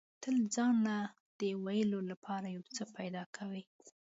تل ځان له د ویلو لپاره یو څه پیدا کوي.